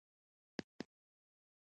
د بریا راز په شتو باندې قناعت کول دي.